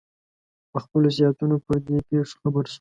په خپلو سیاحتونو کې پر دې پېښو خبر شو.